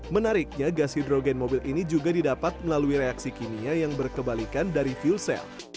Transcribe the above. menariknya gas hidrogen mobil ini juga didapat melalui reaksi kimia yang berkebalikan dari fuel cell